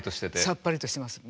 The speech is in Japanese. さっぱりとしてます。